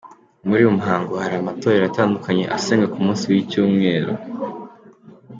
Muri uyu muhango hari amatorero atandukanye asenga ku munsi w’icyumweru.